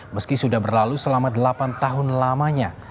meski sudah berlalu selama delapan tahun lamanya